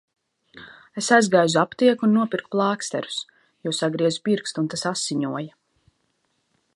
Es aizgāju uz aptieku un nopirku plāksterus, jo sagriezu pirkstu un tas asiņoja.